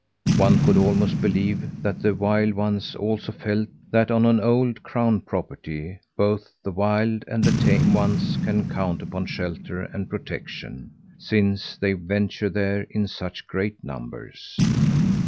One could almost believe that the wild ones also felt that on an old crown property both the wild and the tame ones can count upon shelter and protection since they venture there in such great numbers.